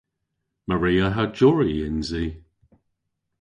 Maria ha Jori yns i.